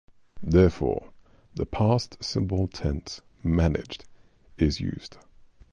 Therefore, the past simple tense "managed" is used.